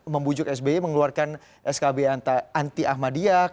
membujuk sby mengeluarkan skb anti ahmadiyah